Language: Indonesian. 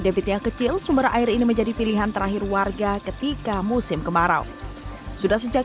debit yang kecil sumber air ini menjadi pilihan terakhir warga ketika musim kemarau sudah sejak